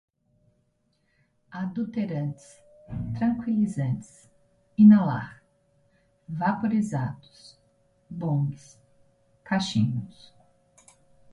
adulterantes, tranquilizantes, inalar, vaporizados, bongs, cachimbos